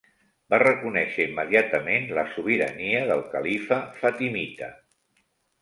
Va reconèixer immediatament la sobirania del califa fatimita.